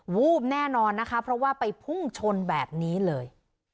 วูบแน่นอนนะคะเพราะว่าไปพุ่งชนแบบนี้เลย